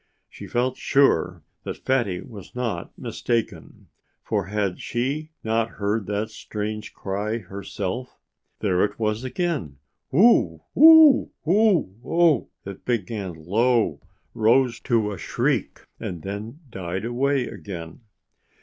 She felt sure that Fatty was not mistaken, for had she not heard that strange cry herself? There it was again! Woo ooo ooo oo o! It began low, rose to a shriek, and then died away again.